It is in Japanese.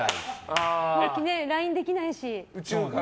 ＬＩＮＥできないし。